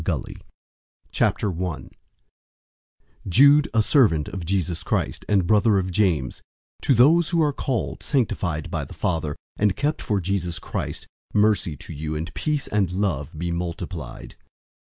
Book 65 Jude 001:001 Jude,{or, Judah} a servant of Jesus Christ, and brother of James, to those who are called, sanctified by God the Father, and kept for Jesus Christ: 001:002 Mercy to you and peace and love be multiplied.